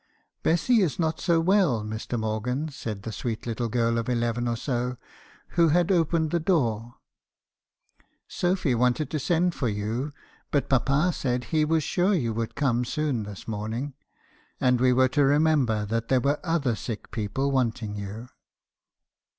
" l Bessy is not so well, Mr. Morgan,' said the sweet little girl of eleven or so , who had opened the door. ' Sophy wanted to send for you; but papa said he was sure you would come soon mk. haebison's confessions. 249 this morning, and we were to remember that there were other sick people wanting you.'